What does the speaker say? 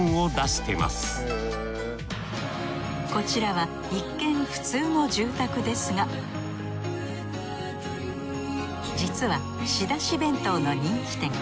こちらは一見普通の住宅ですが実は仕出し弁当の人気店。